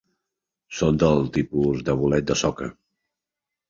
Són del tipus de bolet de soca.